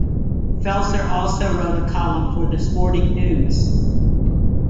Felser also wrote a column for "The Sporting News".